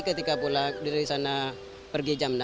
ketika pulang dari sana pergi jam enam